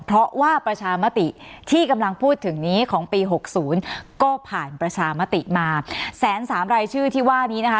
เพราะว่าประชามติที่กำลังพูดถึงนี้ของปี๖๐ก็ผ่านประชามติมาแสนสามรายชื่อที่ว่านี้นะคะ